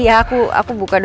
tadi nggak ada